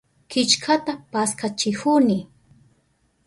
Killkata paskachihuni.